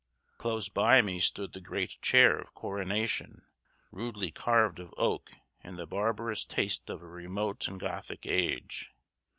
Close by me stood the great chair of coronation, rudely carved of oak in the barbarous taste of a remote and Gothic age.